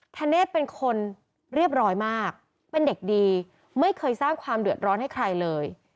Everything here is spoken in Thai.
ธเนธเป็นคนเรียบร้อยมากเป็นเด็กดีไม่เคยสร้างความเดือดร้อนให้ใครเลย